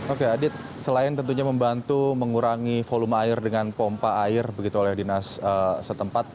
oke adit selain tentunya membantu mengurangi volume air dengan pompa air begitu oleh dinas setempat